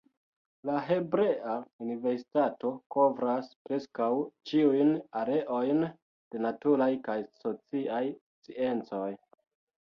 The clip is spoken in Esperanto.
La Hebrea Universitato kovras preskaŭ ĉiujn areojn de naturaj kaj sociaj sciencoj.